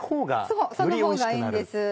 そうその方がいいんです。